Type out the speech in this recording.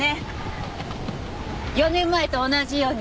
４年前と同じように。